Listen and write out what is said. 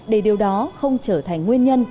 để điều đó không trở thành nguyên nhân